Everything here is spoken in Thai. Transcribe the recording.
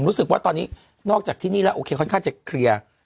รู้สึกว่าตอนนี้นอกจากที่นี่แล้วโอเคค่อนข้างจะเคลียร์